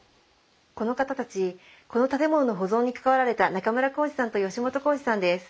この方たちこの建物の保存に関わられた中村興司さんと吉本昂二さんです。